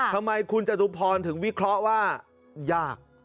ทำไมคุณจตุพรถึงวิเคราะห์ว่ายาก